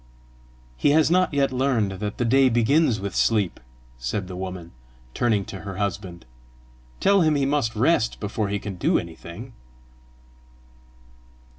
"He has not yet learned that the day begins with sleep!" said the woman, turning to her husband. "Tell him he must rest before he can do anything!"